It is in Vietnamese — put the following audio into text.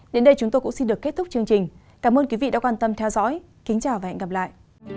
đến đây chúng tôi cũng xin được kết thúc chương trình cảm ơn quý vị đã quan tâm theo dõi kính chào và hẹn gặp lại